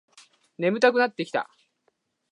眠たくなってきた